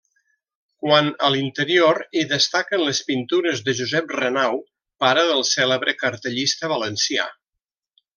Quant a l'interior, hi destaquen les pintures de Josep Renau, pare del cèlebre cartellista valencià.